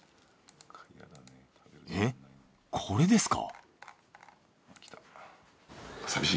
えっこれですか？